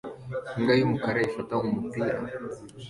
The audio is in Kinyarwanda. Imbwa y'umukara ifata umupira